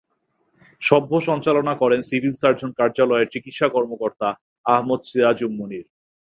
সভা সঞ্চালনা করেন সিভিল সার্জন কার্যালয়ের চিকিৎসা কর্মকর্তা আহমদ সিরাজুম মুনীর।